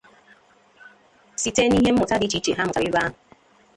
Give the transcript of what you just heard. site n'ihe mmụta dị iche iche ha mụtara ebe ahụ